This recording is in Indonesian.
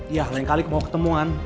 iya lain kali mau ketemuan